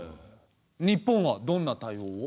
日本はどんな対応を？